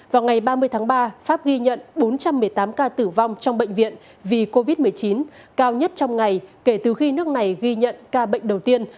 vào ngày ba mươi tháng ba pháp ghi nhận bốn trăm một mươi tám ca tử vong trong bệnh viện vì covid một mươi chín cao nhất trong ngày kể từ khi nước này ghi nhận ca bệnh đầu tiên